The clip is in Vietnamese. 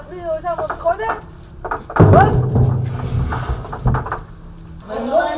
rồi bây giờ cháu không đốt nữa đâu